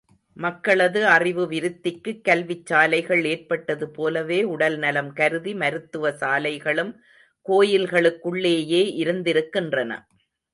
மக்களது அறிவு விருத்திக்குக் கல்விச் சாலைகள் ஏற்பட்டது போலவே உடல் நலம் கருதி, மருத்துவ சாலைகளும், கோயில்களுக்குள்ளேயே இருந்திருக்கின்றன.